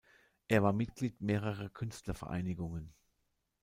Er war Mitglied mehrerer Künstlervereinigungen.